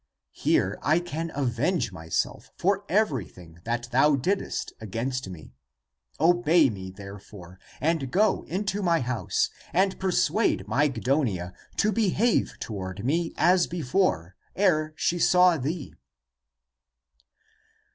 Here I can avenge myself for everything that thou didst against me. Obey me, therefore, and go into my house and persuade Mygdonia to behave toward me as before, ere she saw thee.